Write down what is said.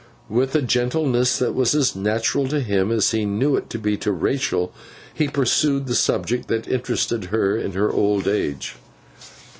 With a gentleness that was as natural to him as he knew it to be to Rachael, he pursued the subject that interested her in her old age.